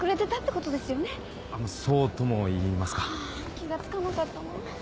気が付かなかったなあ。